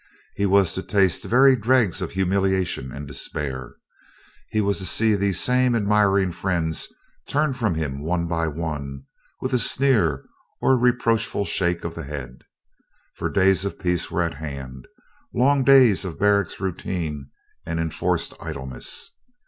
He was to taste the very dregs of humiliation and despair. He was to see these same admiring friends turn from him one by one, with a sneer, or reproachful shake of the head. For days of peace were at hand long days of barrack routine and enforced idleness.